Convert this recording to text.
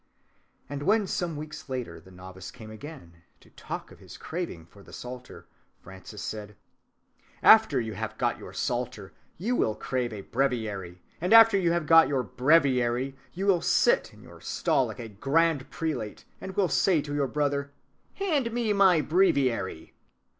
And when some weeks later the novice came again to talk of his craving for the psalter, Francis said: "After you have got your psalter you will crave a breviary; and after you have got your breviary you will sit in your stall like a grand prelate, and will say to your brother: 'Hand me my breviary.